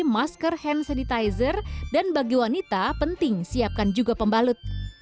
masker hand sanitizer dan bagi wanita penting siapkan juga pembalut